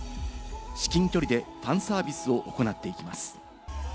至近距離でファンサービスを行っていきます。